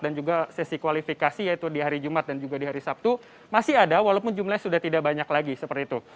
dan juga sesi kualifikasi yaitu di hari jumat dan juga di hari sabtu masih ada walaupun jumlahnya sudah tidak banyak lagi seperti itu